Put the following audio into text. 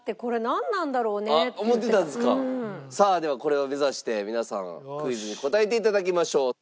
さあではこれを目指して皆さんクイズに答えて頂きましょう。